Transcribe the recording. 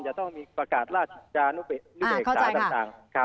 จะต้องมีประกาศราชจานุเบกษาต่าง